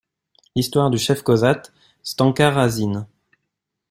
L'histoire du chef cosaque Stenka Razine.